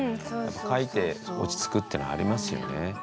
書いて落ち着くっていうのはありますよね。